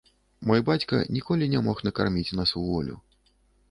Мой бацька ніколі не мог накарміць нас уволю.